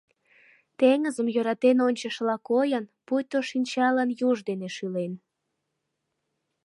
Теҥызым йӧратен ончышыла койын, пуйто шинчалан юж дене шӱлен.